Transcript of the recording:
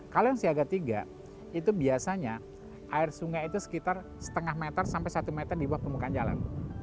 kalau yang siaga tiga itu biasanya air sungai itu sekitar setengah meter sampai satu meter di bawah permukaan jalan